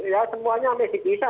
ya semuanya masih bisa